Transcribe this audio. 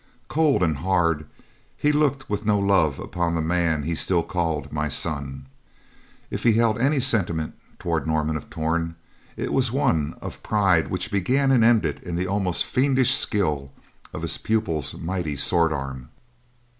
Cold and hard, he looked with no love upon the man he still called "my son." If he held any sentiment toward Norman of Torn, it was one of pride which began and ended in the almost fiendish skill of his pupil's mighty sword arm.